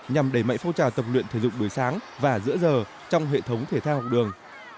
nhằm đẩy mạnh phong trào tập luyện thể dục buổi sáng và giữa giờ trong hệ thống thể thao học đường